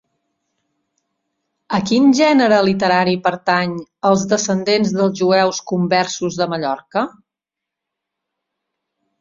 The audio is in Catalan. A quin gènere literari pertany Els descendents dels Jueus Conversos de Mallorca?